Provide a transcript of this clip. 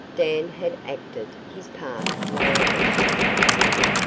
Dan had acted his part well and promptly.